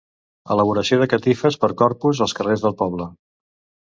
Elaboració de catifes per Corpus als carrers del poble.